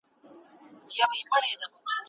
لا تر شا ږغونه اورو چي روښانه زندګي ده